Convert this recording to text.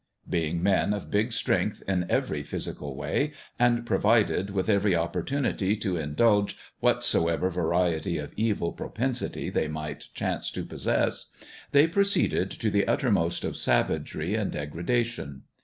Being men of big strength in every physical way and provided with every opportunity to indulge whatsoever variety of evil propensity they might chance to possess they proceeded to the uttermost of savagery and ii 4 BILLY the BEAST STARTS HOME degradation.